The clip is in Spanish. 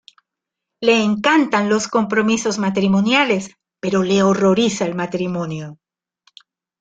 Le encantan los compromisos matrimoniales, pero le horroriza el matrimonio.